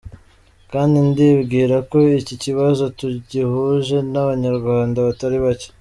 Kandi ndibwira ko iki kibazo tugihuje n’Abanyarwanda batari bake.